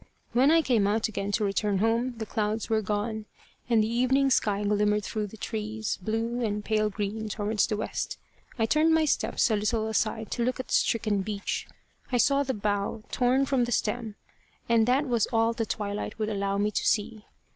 When I came out again to return home, the clouds were gone, and the evening sky glimmered through the trees, blue, and pale green towards the west, I turned my steps a little aside to look at the stricken beech. I saw the bough torn from the stem, and that was all the twilight would allow me to see.